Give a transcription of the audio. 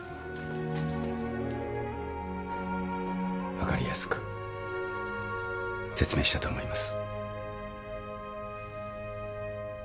分かりやすく説明したと思います。